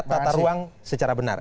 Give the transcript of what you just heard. tata ruang secara benar